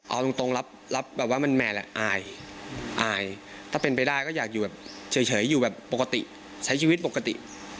เอาตรงรับแบบแมวน่ะอายอายถ้าเป็นไปใจก็อยากจะเฉยอยู่แบบปกติใช้ชีวิตปกติ